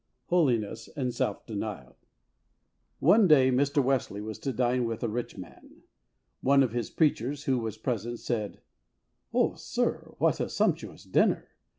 Holiness and Self Denial. I. O NE day Mr. Wesley was to dine with a rich man. One of his preachers, who was present, said, '' Oh, sir, what a sumptuous dinner !